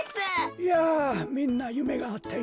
いやみんなゆめがあっていいなあ。